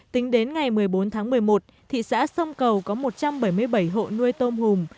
tính đến ngày một mươi bốn tháng một mươi một thị xã sông cầu có một trăm bảy mươi bảy hộ nuôi tôm hùm